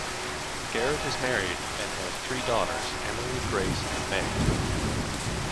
Garrett is married and has three daughters, Emily, Grace, and May.